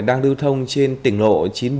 đang đưu thông trên tỉnh lộ chín trăm bốn mươi một